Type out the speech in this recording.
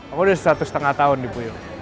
aku udah satu setengah tahun di puyo